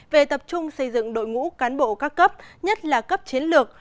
về tập trung xây dựng đội ngũ cán bộ các cấp nhất là cấp chiến lược